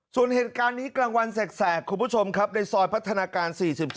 ส่วนเหตุการณ์นี้กลางวันแสกคุณผู้ชมครับในซอยพัฒนาการ๔๗